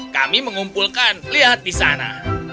kami mengumpulkan lihat di sana